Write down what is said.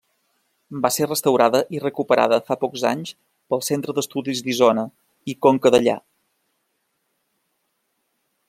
Va ser restaurada i recuperada, fa pocs anys, pel Centre d'Estudis d'Isona i Conca Dellà.